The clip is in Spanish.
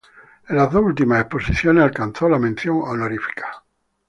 En las dos últimas exposiciones alcanzó la mención honorífica.